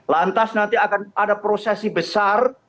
lantas nanti akan ada prosesi besar